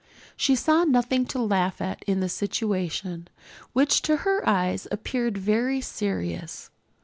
She saw nothing to laugh at in the situation, which to her eyes appeared very serious.